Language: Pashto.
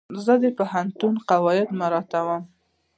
زه د پوهنتون قواعد مراعتوم.